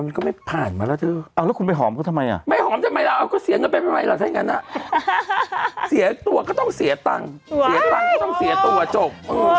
เสียตัวก็ต้องเสียตังค์เสียตังค์ก็ต้องเสียตัวจบ